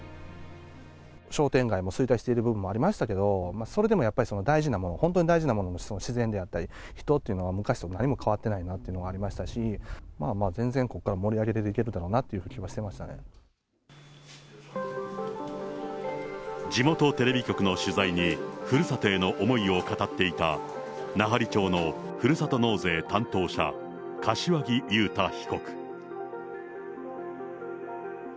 商店街も衰退している部分もありましたけど、それでもやっぱり大事なもの、本当に大事なもの、自然であったり、人というのは昔と何も変わってないなというのがありましたし、まあまあ全然ここから盛り上げていけるだろうなという気はしてい地元テレビ局の取材に、ふるさとへの思いを語っていた、奈半利町のふるさと納税担当者、柏木雄太被告。